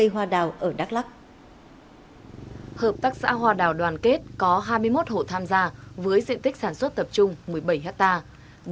hợp tác xã hoa đào đoàn kết có hai mươi một hộ tham gia với diện tích sản xuất tập trung một mươi bảy hectare